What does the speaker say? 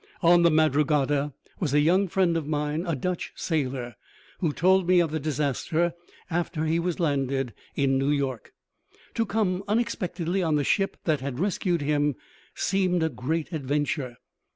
On the Madrugada was a young friend of mine, a Dutch sailor, who told me of the disaster after he was landed in New York. To come unexpectedly on the ship that had rescued him seemed a great adventure.